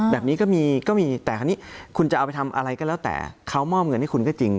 แบบนี้ก็มีก็มีแต่คราวนี้คุณจะเอาไปทำอะไรก็แล้วแต่เขามอบเงินให้คุณก็จริง